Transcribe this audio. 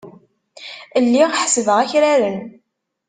Lliɣ ḥessbeɣ akraren.